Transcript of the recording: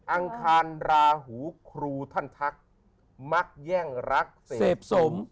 อังคารราหูครูท่านทักมักแย่งรักเสพสม